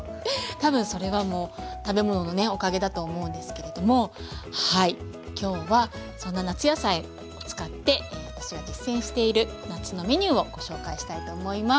多分それはもう食べ物のねおかげだと思うんですけれどもはい今日はそんな夏野菜を使って私が実践している夏のメニューをご紹介したいと思います。